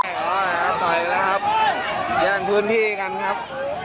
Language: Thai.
อ๋อต่อยแล้วครับแย่งพื้นที่กันครับ